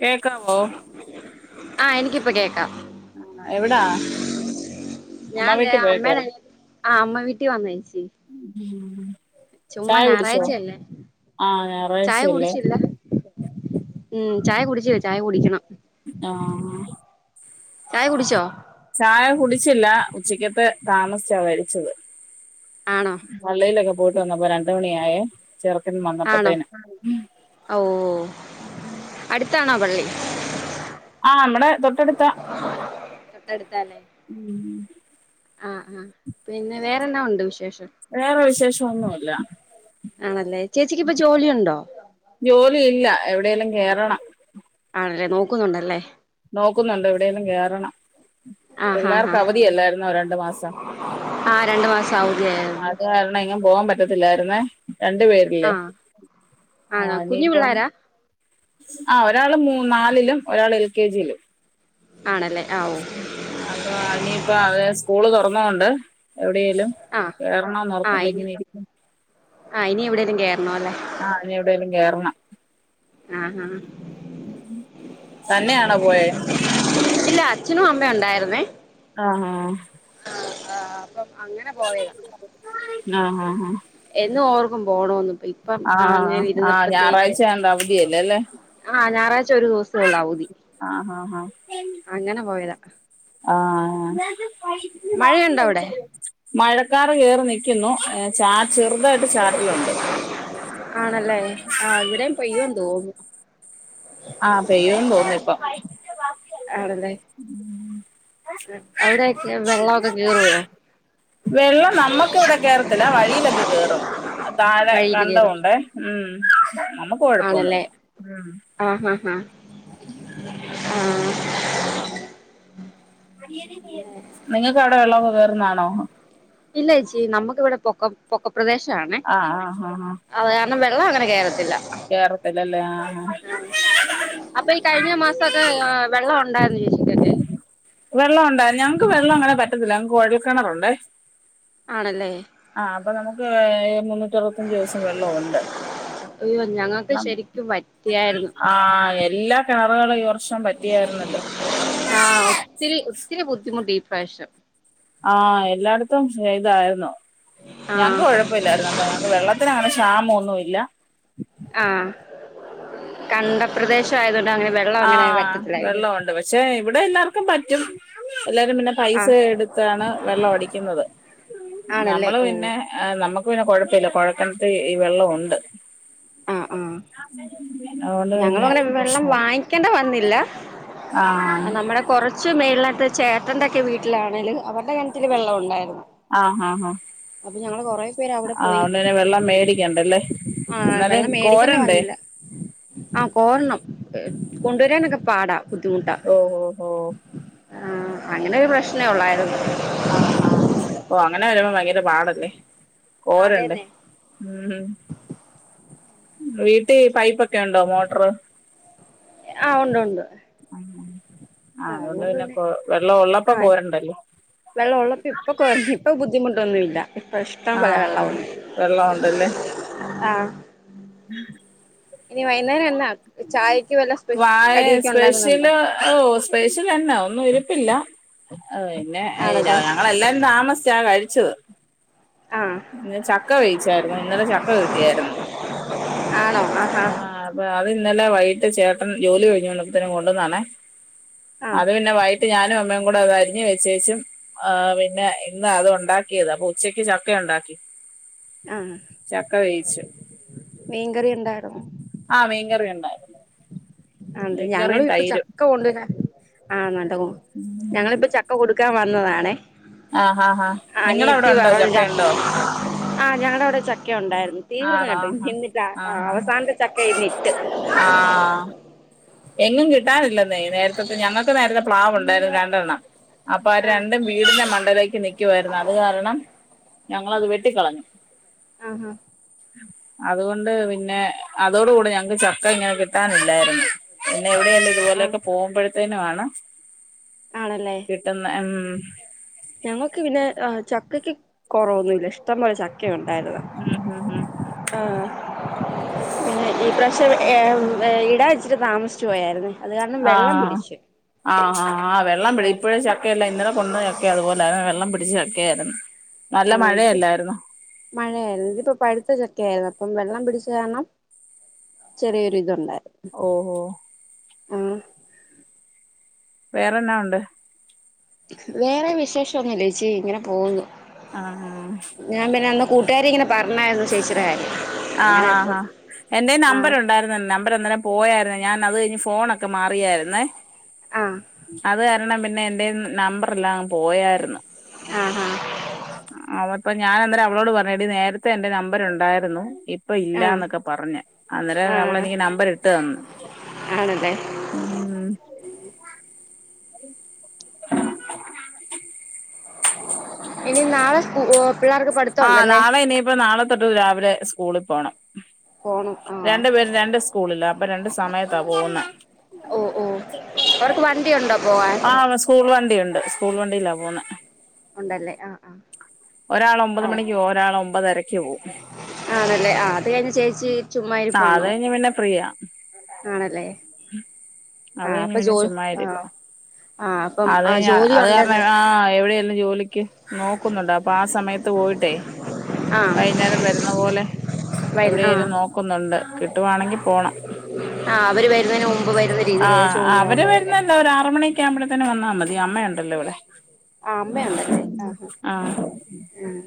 കേൾക്കാവോ ആഹ് എനിക്ക് ഇപ്പൊ കേക്കാം ആഹ് എവിടാ ഞാൻ അമ്മ ദേ വീട്ടിൽ അമ്മയുടെ പോയേക്കുവായിരുന്നു ആഹ് അമ്മ വീട്ടിൽ വന്നേ ച്ചി ചായ കുടിച്ചോ ഞായറാഴ്ചയല്ലേ ആഹ് ചായ ഞായറാഴ്ചയല്ലേ കുടിച്ചില്ല ഉം ചായ കുട്ച്ചില്ല ചായ കുടിക്കണം ആഹ് ചായ കുടിച്ചോ ചായ കുടിച്ചില്ല ഉച്ചക്കത്തെ താമസിച്ചാ കഴിച്ചത് ആണോ പള്ളിയിലൊക്കെ പോയിട്ട് വന്നപ്പോ രണ്ട് മണിയായേ ചെറുക്കന് വന്നപ്പോത്തേന് ഓഹ് അടുത്താണോ പള്ളി ആഹ് നമ്മടെ തൊട്ടടുത്ത തൊട്ടടുത്താല്ലേ ആഹ് ആഹ് പിന്നെ വേറെന്താ ഉണ്ട് വിശേഷം വേറെ വിശേഷമൊന്നുമില്ല ആണല്ലേ ചേച്ചിക്ക് ഇപ്പൊ ജോലി ഉണ്ടോ ജോലിയില്ല എവിടേലും കേറണം ആണ് ല്ലേ നോക്കുന്നുണ്ടല്ലേ നോക്കുന്നുണ്ട് എവിടേലും കേറണം ആഹ് ഹാ ഹാ പിള്ളാർക്ക് അവധിയല്ലായിരുന്നോ രണ്ടു മാസം. ആ രണ്ടു മാസം അഹ് ആഹ് അവധിയായിരുന്നു അത് കാരണം എങ്ങും പോകാൻ പറ്റത്തില്ലായിരുന്നേ രണ്ടു പേരില്ലേ ആഹ് ആണോ ആഹ് കുഞ്ഞു ഇനിപ്പം പിള്ളാരാ ആഹ് ഒരാള് മൂ നാലിലും ഒരാള് എൽ കെ ജിയിലും ആണല്ലേ ആഹ് ഓഹ് ആഹ് അപ്പൊ എനിയിപ്പോ അതാ സ്കൂള് തൊറന്ന കൊണ്ട് എവിടെയേലും ആഹ് ആഹ് ഇനി ആഹ് ഇനി എവിടേലും കേറണം അല്ലേ ആഹ് ഇനി എവിടെലും കേറണം ആഹ് ആഹ് തന്നെയാണോ പോയേ ഇല്ലാ അച്ഛനും അമ്മയും ഒണ്ടായിരുന്നേ ആഹ് ആഹ് ആഹ് ആപ്പ് അപ്പൊ അങ്ങനെ പോയതാ ആഹ് ആഹ് ആഹ് എന്നും ഓർക്കും പോണോന്ന് ഇപ്പ ഇപ്പം ആഹ് അങ്ങനെ ആഹ് ഇരുന്നപ്പത്തേക്ക് ഞായറാഴ്ചയായോണ്ട് അവധിയല്ലേ അല്ലേ ആഹ് ഞായറാഴ്ച ഒരു ദിവസേ ഇള്ളൂ അവധി ആഹ് ആഹ് ആഹ് അങ്ങനെ പോയതാ ആഹ് മഴയൊണ്ടോ അവിടെ മഴക്കാറ് കേറി നിക്കുന്നു ഏഹ് ചാ ചെറുതായിട്ട് ചാറ്റലൊണ്ട് ആണല്ലേ ആഹ് ഇവിടെയും പെയ്യുവെന്ന് തോന്നു ആഹ് പെയ്യൂന്ന് തോന്നു ഇപ്പം ഉം ഉം അവിടെയൊക്കെ വെള്ളവൊക്കെ കേറുവോ വെള്ളം നമ്മക്കിവിടെ കേറത്തില്ലാ വഴിയിലൊക്കെ കേറും താഴെ വഴിയില് കേറും കണ്ടവൊണ്ടെ ഉം നമ്മക്ക് ആണല്ലേ ആഹ് ആഹ് ആഹ് ആഹ് നിങ്ങക്ക് അവിടെ വെള്ളവൊക്കെ കേറുന്നാണോ? ഇല്ല ചേച്ചി നമ്മക്കിവിടെ പൊക്കം പൊക്ക പ്രദേശവാണെ ആഹ് ആഹ് ആഹ് ആഹ് അങ്ങനെ കേറത്തില്ല കേറത്തില്ലാലെ ആഹ് ആഹ് ആഹ് അപ്പൊ ഈ കഴിഞ്ഞ മാസൊക്കെ ഏഹ് വെള്ളം ഒണ്ടായിരുന്നോ ചേച്ചിക്കൊക്കെ വെള്ളം ഒണ്ടാ ഞങ്ങൾക്ക് വെള്ളം അങ്ങനെ പറ്റത്തില്ലാ ഞങ്ങക്ക് കൊഴൽക്കെണറൊണ്ടേ ആണല്ലേ ആഹ് അപ്പം നമ്മക്ക് ഏഹ് മുന്നൂറ്റി അറുപത്തഞ്ച് ദിവസം വെള്ളവൊണ്ട് അയ്യോ ഞങ്ങക്ക് ശരിക്കും വറ്റിയായിരുന്നു ആഹ് എല്ലാ കെണറുകളും ഈ വർഷം പറ്റിയായിരുന്നല്ലോ ആഹ് ഒത്തിരി ഒത്തിരി ബുദ്ധിമുട്ടി ഈ പ്രാവശ്യം ആഹ് എല്ലായിടത്തും ചെയ്തായിരുന്നു ആഹ് ഞങ്ങക്ക് കൊഴപ് കൊഴപ്പയില്ലായിരുന്നല്ലോ ഞങ്ങക്ക് വെള്ളത്തിന് അങ്ങനെ ക്ഷാമ ഒന്നും ഇല്ലാ ആഹ് കണ്ടപ്രദേശ ആയതുകൊണ്ട് അങ്ങനെ വെള്ളം അങ്ങനെ ആഹ് വറ്റത്തില്ലായിരിക്കും വെള്ളം ഒണ്ട് പക്ഷെ ഇവിടെ എല്ലാർക്കും പറ്റും എല്ലാരും പിന്നെ പൈസ ആഹ് എടുത്താണ് വെള്ളം അടിക്കുന്നത് ആണല്ലേ നമ്മള് ഓ പിന്നെ ആഹ് നമ്മക്ക് പിന്നെ കൊഴപ്പയില്ലാ കൊഴൽകെണറി വെള്ളം ഒണ്ട് ഉം ഉം അതുകൊണ്ട് ഞങ്ങളു പിന്നെ അങ്ങനെ വെള്ളം പ്രശ്നമില്ല വാങ്ങിക്കെണ്ട വന്നില്ലാ ആഹ് നമ്മടെ കൊറച്ച് മേളിനാത്ത് ചേട്ടൻ്റെക്കെ വീട്ടിലാണെങ്കിലും അവരുടെ കെണറ്റില് വെള്ളം ഒണ്ടായിരുന്നു ആഹ് ആഹ് ആഹ് പേര് അവിടെ ആഹ് പോയി അന്നേരം വെള്ളം മേടിക്കണ്ടല്ലേ ആഹ് അന് [unintelligible] വെള്ളം മേടിക്കേണ്ട കോരണ്ടേ? വന്നില്ല ആഹ് കോരണം എഹ് കൊണ്ടോരാനൊക്കെ പാടാ. ബുദ്ധിമുട്ടാ ഓഹ് ഓഹ് ഓഹ് ആഹ് അങ്ങനൊരു പ്രശ്നേ ഒള്ളായിര്ന്നു. ആഹ് ഹാ ഓഹ് അങ്ങനെ വെരുമ്പോ ഭയങ്കര പാടല്ലേ കോരണ്ടേ അതേന്നെ ഉം വീട്ടി പൈപ്പൊക്കെണ്ടോ മോട്ടറ് ആഹ് ഉണ്ടു ണ്ട് ആഹ് ആഹ് ആഹ് അതോണ്ട് പിന്നെ കൊ വെള്ളം ഒള്ളപ്പോ കോരണ്ടല്ലോ വെള്ള ഒള്ളപ്പോ ഇപ്പോ ക്കോരൻ ഇപ്പം ബുദ്ധിമുട്ടൊന്നുല്ല. ഇപ്പെഷ്ടം പോലെ വെള്ള ആഹ് വെള്ളം ഉണ്ടല്ലേ [unintelligible] ആഹ് [inaudible] ഇനി വൈന്നേരന്നാ ചായക്ക് വല്ല സ്പെഷ് വാഴ കട്യൊക്കെണ്ടാക്കുന്നുണ്ടോ? സ്പെഷ്യല് ഓഹ് സ്പെഷ്യലെന്നാ ഒന്നും ഇരിപ്പില്ല ഓഹ് പിന്നെ ഏഹ് ത ആണല്ലേ ഞങ്ങളെല്ലാം താമസിച്ചാ കഴിച്ചത്. ആഹ് പിന്നെ ചക്ക വേവിച്ചായ്ര്ന്നു ഇന്നലെ ചക്ക കിട്ടിയായിര്ന്നു. ആണോ ആഹ് ഹാ താ അതിന്നലെ വൈകിട്ട് ചേട്ടൻ ജോലി കഴിഞ്ഞ് വന്നാപ്പത്തേന് കൊണ്ടോന്നാണെ ആഹ് അത് പിന്നെ വൈ ട്ട് ഞാനും അമ്മേം കൂടെ അത് അരിഞ്ഞ് വെച്ചേച്ചും. ആഹ് പിന്നെ ഇന്ന് അതാ ഉണ്ടാക്കിയത് അപ്പൊ ഉച്ചക്ക് ചക്ക യുണ്ടാക്കി. ആഹ് ചക്ക വേവിച്ച് മീൻകറി ഉണ്ടായിരുന്നു ആഹ് മീൻകറി യുണ്ടായിര്ന്നു. അതെ ഞങ്ങളും പ്പൊ ചക്ക കൊണ്ടോരാൻ ആണടോ [inaudible] ഞങ്ങളിപ്പം ചക്ക കൊടുക്കാൻ വന്നതാണേ ആഹ് ആഹ് നിങ്ങടെ അവിടെ അനിയത്തി ഉണ്ടോ വെറും ച ചക്കയുണ്ടോ ആഹ് ഞങ്ങളവടെ ചക്കയുണ്ടായിരുന്നു. തീർന്ന് കെട്ടോ ഇഞ്ഞെന്നിട്ടാ ആഹ് അവസാനത്തെ ചക്ക ഇന്നിട്ട്. ആഹ് എങ്ങും കിട്ടാനില്ലെന്നെ നേരത്തെ പ്പൊ ഞങ്ങക്കും നേരത്തെ പ്ലാവുണ്ടായിരുന്നു രണ്ടെണ്ണം. അപ്പൊ ആ ആഹ് രണ്ടും വീടിന്റെ മണ്ടേലേക്ക് നിക്കുവായിരുന്നു അത് കാരണം ഞങ്ങളത് വെട്ടിക്കളഞ്ഞു. ആഹ് ഹാ അത് കൊണ്ട് പിന്നെ അതോട് കൂടെ ഞങ്ങക്ക് ചക്ക ഇങ്ങനെ കിട്ടാനില്ലായിരുന്നു. പിന്നെ എവിടേലും ആ ഇതുപോലെക്കെ പോവുമ്പഴത്തേനും ആണ് ആണല്ലേ കിട്ട്ന്നെ ഉം ഞങ്ങക്ക് പിന്നെ അഹ് ചക്കക്ക് കൊറവൊന്നുല്ല ഇഷ്ടംപോലെ ചക്കയുണ്ടായിര്ന്ന്. ഉം ഉം ഉം ആഹ് പിന്നെ ഈ പ്രാവശ്യം ഏംഹ് ഏഹ് ഇടാ ഇച്ചിരി താമസിച്ച് പോയാര്ന്ന്. ആഹ് ആഹ് ആഹ് ആഹ് വെള്ളം പിടി ആഹ് ഇപ്പഴും ച ക്കയെല്ലാം ഇന്നലെ കൊണ്ടന്ന ചക്ക അതുപോലാണ് വെള്ളം പിടിച്ച ചക്കയാര്ന്ന്. ആഹ് ഇത്പ്പോ മഴയായിര്ന്നു ഇതിപ്പോ പഴ്ത്ത ചക്കയാര്ന്നു അപ്പം വെള്ളം പിടിച്ച കാരണം ചെറിയൊര്ത്ണ്ടായിര്ന്നു. ഓഹോ വേറെന്നാ ഉണ്ട്? വേറെ വിശേഷാന്നുല്ലേച്ചി ഇങ്ങനെ പോവുന്നു. ആഹ് ആഹ് ഞാൻ പിന്നെ അന്ന് കൂട്ടുകാരി ങ്ങനെ പർഞ്ഞായിര്ന്ന് ചേച്ചിടെ കാര്യം അങ്ങനെ അപ്പം ബാ [unintelligible] നമ്പറ് അന്നേരം പോയാരുന്നെ ഞാൻ അത് കഴിഞ്ഞ് ഫോണൊക്കെ മാറിയാരുന്നേ ആഹ് അത് കാരണം പിന്നെ എന്റെ നമ്പറെല്ലാം പോയാരുന്ന് ആഹ് ആഹ് ഞാൻ അപ്പം അന്നാരം അവളോട് പറഞ്ഞ് എടി നേരത്തെ എന്റെ നമ്പർ ഉണ്ടായിരുന്നു ഇ ഇപ്പം ആഹ് ഇല്ലാന്നൊക്കെ പറഞ്ഞ് അന്നേരം അവളെനിക്ക് നമ്പർ ഇട്ട് തന്ന് ആണല്ലെ ഉം ഇനി നാളെ സ്കൂ പിള്ളേർക്ക് പഠിത്തം ആഹ് ഉണ്ടല്ലേ നാളെ ഇനിയിപ്പോ നാളെ തൊട്ട് രാവിലെ സ്കൂള് പോണം പോണം ആഹ് രണ്ട് പേരും രണ്ട് സ്കൂളിലാ അപ്പൊ രണ്ട് സമയത്താ പോവുന്നേ ഓ ഓ അവർക്ക് വണ്ടിയുണ്ടോ പോവാൻ ആഹ് സ് കൂൾ വണ്ടിയുണ്ട് സ്കൂൾ വണ്ടിയിലാ പോകുന്നെ ഉണ്ടല്ലേ ആഹ് ഒരാൾ ആഹ് ഒമ്പത് മണിക്ക് ഒരാൾ ഒമ്പതര ക്ക് പോവും ആണല്ലേ ആഹ് അത് കഴിഞ്ഞ് ചേച്ചി ചുമ്മാ ആഹ് അത് ഇരിപ്പാണോ കഴിഞ്ഞാ പിന്നെ ഫ്രീയാ ആണല്ലേ അത് ആഹ് കഴിഞ്ഞ അപ്പൊ പിന്നെ ജോ ചുമ്മാ ഇരിപ്പ ആഹ് ആഹ് അപ്പം ആഹ് അതഴിഞ്ഞ ജോലി അത് കാരണം ഉണ്ടെന്ന് ആഹ് എവിടെയെല്ലം ജോലിക്ക് നോക്കുന്നുണ്ട് അപ്പൊ ആ സമയ പോയിട്ടേ ആഹ് വൈകുന്നേരം വരുന്ന പോലെ വൈ ആഹ് എവിടെലും നോ നോക്കുന്നുണ്ട് കിട്ടുവാണെങ്കി പോണം ആഹ് അവര് വരുന്നതിന് മുമ്പ് വരുന്ന രീതിയിലുള്ള ആഹ് അവര് ജോലിയാകുമ്പോഴല്ലേ വരുന്നല്ലോ ഒലിറ് മണി ക്കാവ്ബളത്തേന് വന്നാ മതി അമ്മയുണ്ടല്ലോ ഇവിടെ ആ അമ്മയുണ്ടല്ലേ ആഹാ ആഹ് ഉം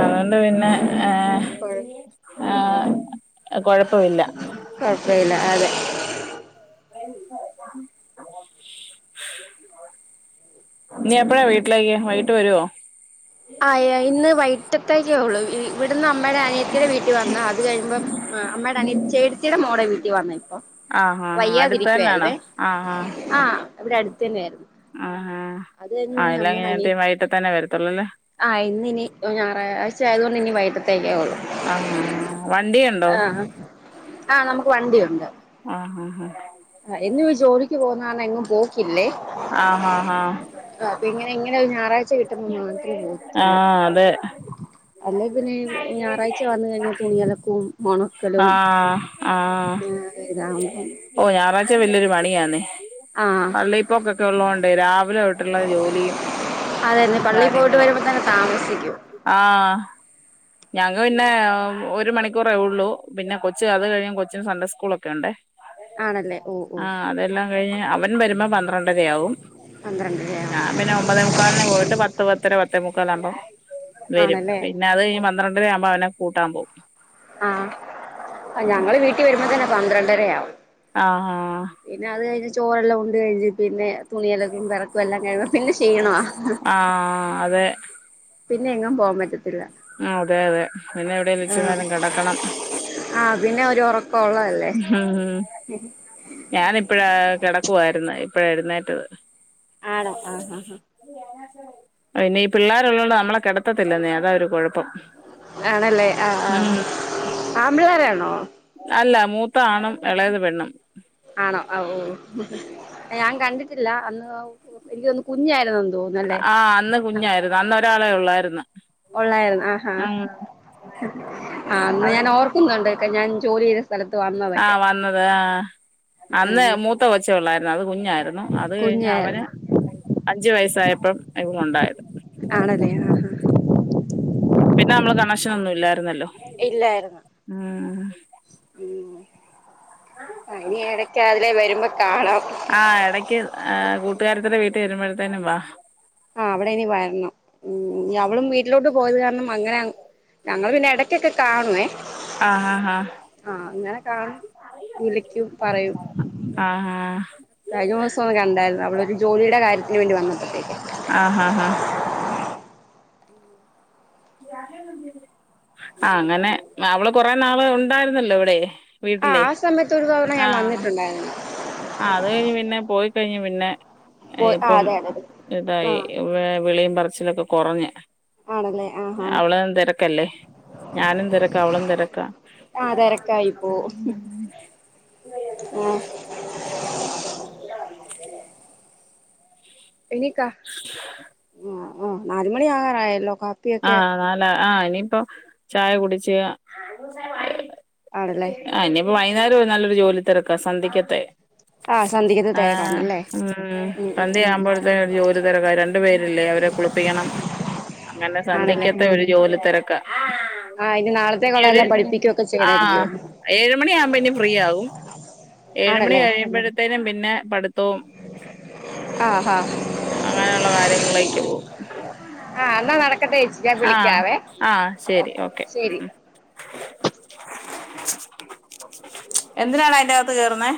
അതുകൊണ്ട് പിന്നെ ഏഹ് കൊഴ ആഹ് കൊഴപ്പവില്ല കൊഴപ്പ ഇല്ല അതെ വര്ന്നുണ്ട് നീ എപ്പഴാ വീട്ടിലേക്ക് വൈകിട്ട് വരുവോ? ആഹ് യാ ഇന്ന് വൈറ്റത്തേക്കൊള്ളു ഇവിടുന്ന് അമ്മയുടെ അനിയത്തിടെ വീട്ട് വന്ന അത് കഴിയുമ്പം ആഹ് അമ്മയുടെ അനിയ ചേട്ടത്തിടെ മോടെ വീട്ടി വന്ന ഇപ്പൊ ആ ആ ആ അടുത്ത് തന്നാണോ വയ്യാതിരിക്കുവായിരുന്നേ ആ ആഹ് ഇവടെ അടുത്തെന്നെ ആയിരുന്നു ആഹ് അനിയ അല്ലെങ്കിത്തേ വൈകിട്ടത്തെന്നെ വരത്തൊള്ളൂല്ലേ ആഹ് ഇന്നിനി ഞായറാഴ്ച ആയതൊണ്ട് ഇനി വൈകിട്ടത്തേക്കെ ഒള്ളു വണ്ടിയിണ്ടോ? ആഹ് നമക്ക് വണ്ടിയുണ്ട് ആഹ് ആഹ് ആഹ് എന്നും ജോലിക്ക് പോകുന്ന കാരണം എങ്ങും പോക്കില്ലേ ആഹ് ആഹ് ആഹ് ആഹ് അപ്പ ഇങ്ങനെ ഇങ്ങനെ ഒരു ഞായറാഴ്ച കിട്ടുമ്പോ മാ ആഹ് അതെ അല്ലേ പിന്നെ ഞായറാഴ്ച വന്നു കഴിഞ്ഞാ തുണി അലക്കും ഒണ ആ ക്കലും ആഹ് അതെ ഇതാവുമ്പം ഓഹ് ഞായറാഴ്ച വല്യൊരു പണിയാന്നെ ആഹ് പള്ളിപ്പോക്കൊക്കെ ഉള്ളതൊണ്ടേ രാവിലെ തൊട്ടുള്ള ജോലിയും അതെന്നെ പള്ളി പോയിട്ട് കാര്യങ്ങളോ വരുമ്പോ തന്നെ താമസിക്കും ആഹ് ഞങ്ങള് പിന്നെ ഒരു മണിക്കൂറേ ഉള്ളു പിന്നെ കൊച്ച് അത് കഴിഞ്ഞ് കൊച്ചിന് സൺഡേ സ്കൂളൊക്കെ ഉണ്ട്. ആണല്ലേ ഓ ഓ ആ അതെല്ലാം കഴിഞ്ഞ് അവൻ വരുമ്പോ പന്ത്രണ്ടരയാവും. പന്ത്രണ്ടരയോ? ഞാൻ പിന്നെ ഒമ്പതേ മുക്കാലിന് പോയിട്ട് പത്ത് പത്തര പത്തേ മുക്കാലാവുമ്പോ വരും ആണല്ലേ പിന്നെ അത് ഓ കഴിഞ് പന്ത്രണ്ടര ആവുമ്പോ അവനെ കൂട്ടാൻ പോവും. ആഹ ഞങ്ങള് വീട്ടിൽ വരുമ്പോ തന്നെ പന്ത്രണ്ടരയാവും. ആഹാ ഹ് പിന്നെ അത് കഴിഞ്ഞ് ചോറെല്ലാം ഉണ്ട് കഴിഞ് പിന്നെ തുണിയലക്കും വിറക്കും എല്ലാം കഴി പിന്നെ ക്ഷീണ. ആഹ് അതെ പിന്നെ എങ്ങും പോവാൻ പറ്റത്തില്ല ആ അതെ അതെ പിന്നെ എവിടെ ഇച്ചിരി നേരം കിടക്കണം. ആഹ പിന്നെ ഒരു ഒറ ഞാനിപ്പഴാ കിടക്കുവായിര്ന്ന് ഇപ്പഴ എഴുന്നേറ്റത്. ആണോ ആഹ ആഹ ഹാ പിന്നെ ഈ പിള്ളേരുള്ളതുകൊണ്ട് നമ്മളെ കിടത്തത്തില്ലെന്നേ അതാ ഒരു കുഴപ്പ ആണല്ലേ ആ ആ ആൺപിള്ളാരാണോ? അല്ല മൂത്ത ആണും ഇളയത് പെണ്ണും ആണോ ഓ ഞാൻ കണ്ടിട്ടില്ല അന്ന് എനിക്ക് തോന്നുന്നു കുഞ്ഞായിരുന്നു. ആ അന്ന് കുഞ്ഞായിരുന്നു അന്ന് ഒരാളേ ഉള്ളായിരുന്നു. ഉള്ളായിരുന്നു ആഹാ ഉം ആ അന്ന് അത് ഞാൻ ഓർക്കുന്നുണ്ട് [unintelligible] ഞാൻ ജോലി ചെയ് സ്ഥലത്ത് വന്ന് ആഹ വന്നത് ആ ആ അന്ന് മൂത്ത കൊച്ച ഉള്ളായിരുന്നു അത് കുഞ്ഞായിരുന്നു അത് കഴിഞ്ഞ് അവന് കുഞ്ഞായിരുന്നു അഞ്ചു വയസ്സായപ്പം ഇവള് ഉണ്ടായത്. ആണല്ലേ ആഹാ പിന്നെ നമ്മള് കണക്ഷൻ ഒന്നും ഇല്ലായിരുന്നല്ലോ. ഇല്ലായിരുന്നു ഉം ഉം ഇനി ഇടയ്ക്ക് അതിലെ വരുമ്പോ കാണാം. ആ ഇടയ്ക്ക് കൂട്ടുകാരുത്തിടെ വീട്ടിൽ വരുമ്പോഴത്തേനും വാ ആ് അവിടെ ഇനി വരണം മ് ഇഞ്ഞി അവളും വീട്ടിലോട്ട് പോയത് കാരണം അങ്ങനെ അ ഞങ്ങള് പിന്നെ ഇടയ്ക്കൊക്കെ കാണുവേ. ആഹ ഹ ഹ ആഹ് ഇങ്ങനെ കാണും വിളിക്കും പറയും ആഹ ഹാ കഴിഞ്ഞ ദിവസം ഒന്ന് കണ്ടായിരുന്നു അവൾ ഒരു ജോലിയുടെ കാര്യത്തിന് വേണ്ടി വന്നപ്പോത്തേക്ക് ആ ഹാ ഹാ ആ അങ്ങനെ അവള് കൊറെേ നാള് ഉണ്ടായിരുന്നല്ലോ ഇവിടെ ആ വീട്ടിലേ ആ സമയത്ത് ഒരു തവണ ഞാൻ ആഹ ഹ [unintelligible] ആഹ് അത് കഴിഞ്ഞ് പിന്നെ പോയി കഴിഞ്ഞ് പിന്നെ പോ ആ ഇപ്പം അതെ അതെ അതെ ആ ഇതായി വിളിയും പറിച്ചിലൊക്കെ കെറഞ്ഞ് ആണല്ലേ ആഹാ അവള് തെരക്കല്ലേ ഞാനും തെരക്കാ അവളും തെരക്കാ ആ തിരക്കായി പോ [unintelligible] [inaudible] എനിക്കാ ആഹ ആഹ് നാലമണി ആകാൻ ആയല്ലോ ആഹ നാല ആഹ് ഇനിപ്പൊ ചായ കുടിച്ച് [inaudible] ആണല്ലേ ആഹ ഇനിയിപ്പോ വൈകേരം നല്ലൊരു ജോലി തിരക്കാ സന്ധിക്കത്തെ ആഹ സന്ധിക്കത്തെ തിരക്കുണ്ടല്ലേ ഉം ഉം ഉം സന്ധ്യ ആവുമ്പോഴത്തെേ ഒരു ജോലി തിരക്ക രണ്ടു പേരില്ലേ അവരെ കുളിപ്പിക്കണം അങ്ങനെ ആണല്ലേ സന്ധിക്കാത്ത ഒരു ജോലി തിരക്ക ആ ഇനി ഇനി നാളത്തേക്കുള്ള ഒരു എല്ലാം പഠിപ്പിക്കുകയൊക്കെ ആഹ ചെയ്യണായിരിക്കും ഏഴുമണി ആകുമ്പോ ഇനി ഫ്രീ ആവും ഏഴ് മണി കഴിയുമ്പഴത്തേനും പിന്നെ പഠിത്തവും ആഹ് ആഹ് അങ്ങനെയുള്ള കാര്യങ്ങളിലേക്ക് പോകും ആ എന്നാ നടക്കട്ടെ ചേച്ചി ഞാൻ ആഹ വിളിക്കാവേ ആഹ ഓ ശരി ഓക്കെ ശരി എന്തിനാഡാ അതിന്റെ അകത്ത് കേയറുന്ന